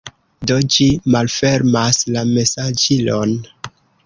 Do, ĝi malfermas la mesaĝilon